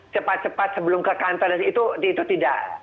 cepat cepat sebelum ke kantor dan sebagainya itu tidak